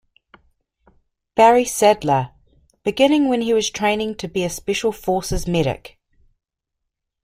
Barry Sadler, beginning when he was training to be a Special Forces medic.